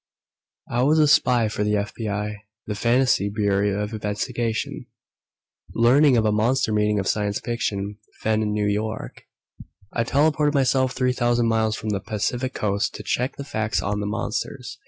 I was a spy for the FBI the Fantasy Bureau of Investigation! Learning of a monster meeting of science fiction "fen" in New York, I teleported myself 3,000 miles from the Pacificoast to check the facts on the monsters.